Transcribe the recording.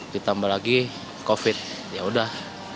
ditambah lagi covid yaudah